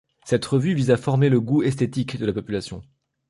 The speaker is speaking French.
Cette revue vise à former le goût esthétique de la population.